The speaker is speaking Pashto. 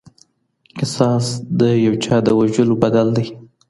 قصاص د یو چا د وژلو بدل دی.